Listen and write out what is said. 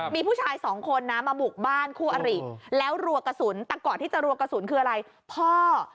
มีผู้ชายสองคนนะมาบุกบ้านคู่อริแล้วรัวกระสุนแต่ก่อนที่จะรัวกระสุนคืออะไรพ่อ